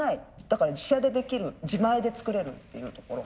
だから自社でできる自前で作れるっていうところ。